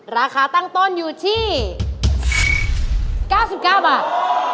ราคาตั้งต้นอยู่ที่๙๙บาท